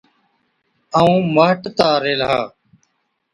ائُون مهٽتا ريهلا۔